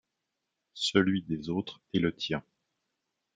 Celui des autres et le tien.